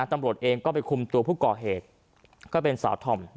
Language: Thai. ตำรวจเองก็ไปคุมตัวผู้ก่อเหตุก็เป็นสาวธอม